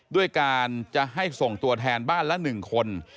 ด้วยการจะให้ส่งตัวแทนบ้านละ๑คน